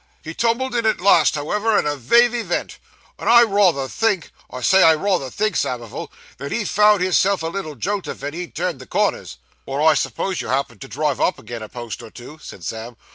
He tumbled in at last, however, and avay ve vent; and I rayther think I say I rayther think, Samivel that he found his self a little jolted ven ve turned the corners.' 'Wot, I s'pose you happened to drive up agin a post or two?' said Sam.